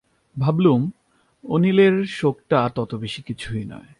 ভাবলুম, অনিলের শোকটা তত বেশি কিছু নয়।